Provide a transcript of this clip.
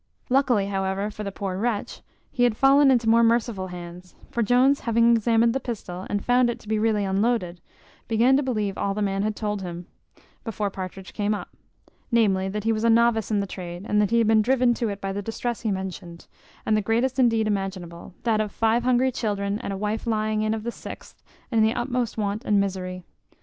Luckily, however, for the poor wretch, he had fallen into more merciful hands; for Jones having examined the pistol, and found it to be really unloaded, began to believe all the man had told him, before Partridge came up: namely, that he was a novice in the trade, and that he had been driven to it by the distress he mentioned, the greatest indeed imaginable, that of five hungry children, and a wife lying in of the sixth, in the utmost want and misery.